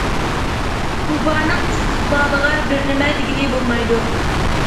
كۇبانىڭ ئىستىقبالىغا بىرنېمە دېگىلى بولمايدۇ.